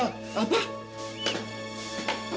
apa pak asgur bicarakan benar